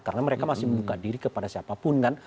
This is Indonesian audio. karena mereka masih membuka diri kepada siapapun